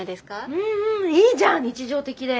うんうんいいじゃん日常的で。